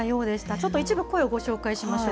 ちょっと一部、声をご紹介しましょう。